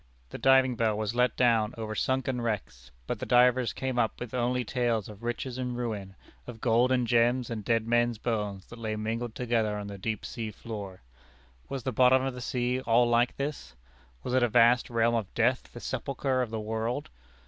The diving bell was let down over sunken wrecks, but the divers came up only with tales of riches and ruin, of gold and gems and dead men's bones that lay mingled together on the deep sea floor. Was the bottom of the sea all like this? Was it a vast realm of death, the sepulchre of the world?